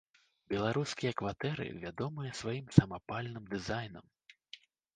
Беларускія кватэры вядомыя сваім самапальным дызайнам.